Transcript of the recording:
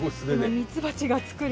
ミツバチが作る。